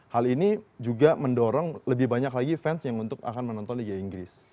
hal ini juga mendorong lebih banyak lagi fans yang untuk akan menonton liga inggris